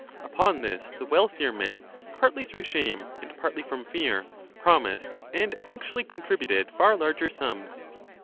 Upon this the wealthier men, partly 10 through shame and partly from fear, promised and actually contributed far larger sums.